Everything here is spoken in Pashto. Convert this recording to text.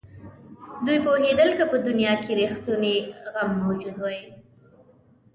دوی پوهېدل که په دنیا کې رښتونی غم موجود وي.